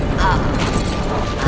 aku akan dibawa ke'sab ya'kba'i'